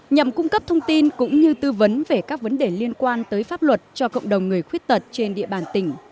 nhằm cung cấp thông tin cũng như tư vấn về các vấn đề liên quan tới pháp luật cho cộng đồng người khuyết tật trên địa bàn tỉnh